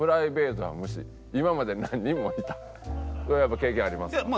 これはやっぱ経験ありますか？